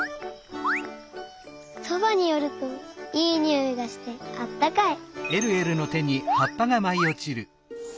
そばによるといいにおいがしてあったかい。